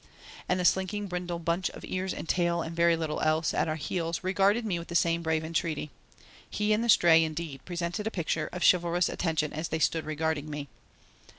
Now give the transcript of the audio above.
And the slinking brindle bunch of ears and tail and very little else, at our heels, regarded me with the same brave entreaty. He and the Stray, indeed, presented a picture of chivalrous attention as they stood regarding me.